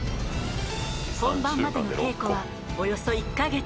本番までの稽古はおよそ１ヵ月。